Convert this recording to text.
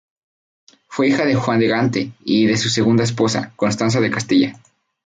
Fue hija de Juan de Gante y de su segunda esposa, Constanza de Castilla.